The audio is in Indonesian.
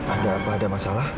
ada apa apa masalah